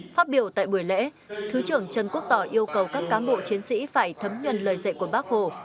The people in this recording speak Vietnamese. phát biểu tại buổi lễ thứ trưởng trần quốc tỏ yêu cầu các cán bộ chiến sĩ phải thấm nhuần lời dạy của bác hồ